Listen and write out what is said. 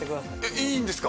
いいんですか？